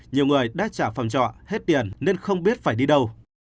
nhiều người đã trả phòng trọ hết tiền nên không biết phải đi đâu